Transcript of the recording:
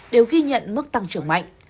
đều ghi nhận mức tăng trưởng mạnh